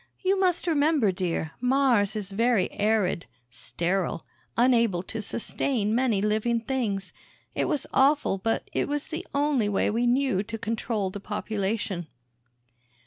You must remember, dear, Mars is very arid sterile unable to sustain many living things. It was awful, but it was the only way we knew to control the population."